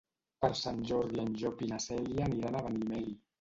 Per Sant Jordi en Llop i na Cèlia aniran a Benimeli.